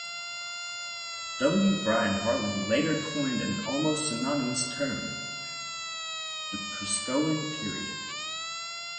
W. Brian Harland later coined an almost synonymous term: the "Priscoan period".